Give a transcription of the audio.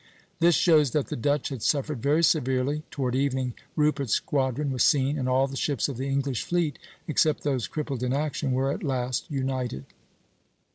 This shows that the Dutch had suffered very severely. Toward evening Rupert's squadron was seen; and all the ships of the English fleet, except those crippled in action, were at last united.